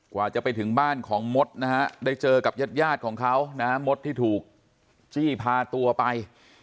กว่าจะไปถึงบ้านของมดนะฮะได้เจอกับญาติยาดของเขานะฮะมดที่ถูกจี้พาตัวไป